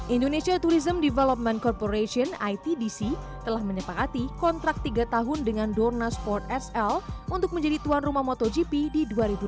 indonesia tourism development corporation itdc telah menyepakati kontrak tiga tahun dengan dorna sport sl untuk menjadi tuan rumah motogp di dua ribu dua puluh